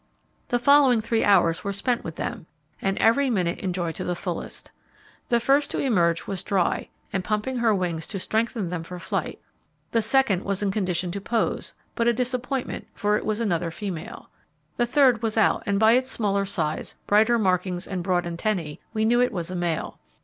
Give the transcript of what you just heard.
The following three hours were spent with them, and every minute enjoyed to the fullest. The first to emerge was dry, and pumping her wings to strengthen them for flight; the second was in condition to pose, but a disappointment, for it was another female. The third was out, and by its smaller size, brighter markings and broad antennae we knew it was a male.